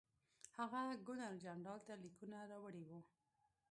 هغه ګورنرجنرال ته لیکونه راوړي وو.